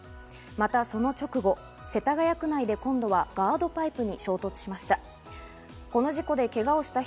またその直後、世田谷区内で今度はガードパイプに衝突しました。